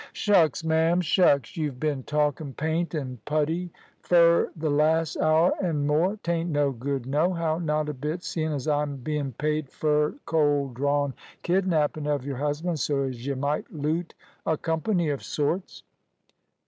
"Shucks, ma'am, shucks! You've bin talkin' paint an' putty fur th' las' hour an' more. T'ain't no good nohow not a bit, seein' as I'm being paid fur cold drawn kidnappin' of your husband, so as y might loot a company of sorts."